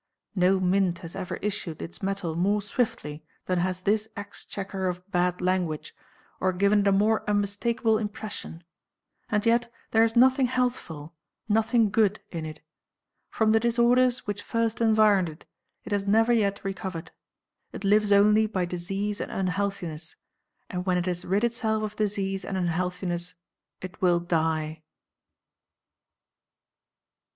No mint has ever issued its metal more swiftly than has this exchequer of bad language, or given it a more unmistakable impression. And yet there is nothing healthful, nothing good in it. From the disorders which first environed it, it has never yet recovered. It lives only by disease and unhealthiness, and when it has rid itself of disease and unhealthiness it will die.